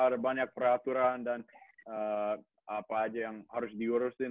ada banyak peraturan dan apa aja yang harus diurusin